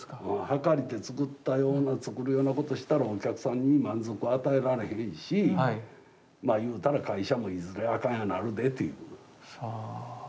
計りて作ったような作るようなことしたらお客さんに満足を与えられへんしまあ言うたら会社もいずれあかんようになるでっていう。